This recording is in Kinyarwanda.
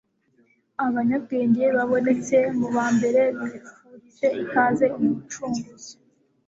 Abanyabwenge babonetse mu ba mbere bifurije ikaze Umucunguzi.